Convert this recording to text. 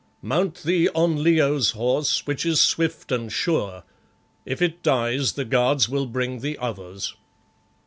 Mount thee on Leo's horse, which is swift and sure; if it dies the guards will bring thee others."